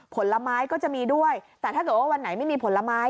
ผลไม้ก็จะมีด้วยแต่ถ้าเกิดว่าวันไหนไม่มีผลไม้